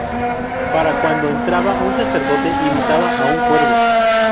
Para cuando entraba un sacerdote imitaba a un cuervo.